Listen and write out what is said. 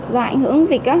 do ảnh hưởng dịch á